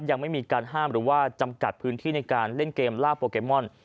ยังไม่มีการห้ามหรือว่าจำกัดพื้นที่ในการเล่นเกมล่าโปเกมอน